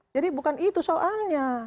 jadi bukan itu soalnya